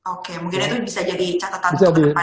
oke mungkin itu bisa jadi catatan ke depannya